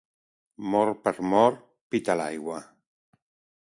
Mort per mort, pit a l'aigua.